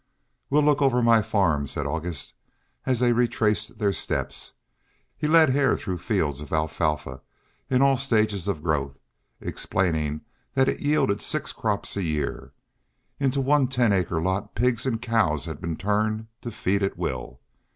"We'll look over my farm," said August, as they retraced their steps. He led Hare through fields of alfalfa, in all stages of growth, explaining that it yielded six crops a year. Into one ten acre lot pigs and cows had been turned to feed at will.